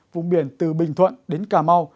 vùng biển từ bình thuận đến cà mau